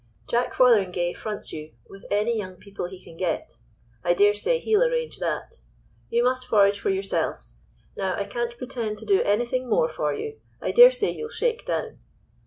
Jack Fotheringay fronts you, with any young people he can get. I daresay he'll arrange that. You must forage for yourselves. Now I can't pretend to do anything more for you. I daresay you'll shake down."